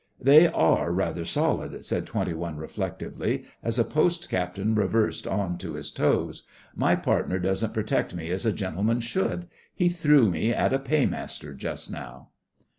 'They are rather solid,' said Twenty One reflectively, as a Post Captain reversed on to his toes. 'My partner doesn't protect me as a gentleman should. He threw me at a Paymaster just now.